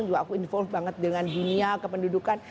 aku juga bergabung banget dengan dunia kependudukan